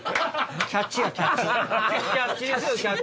キャッチやキャッチ。